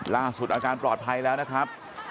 ล่าสุดอาการปลอดภัยแล้วนะครับ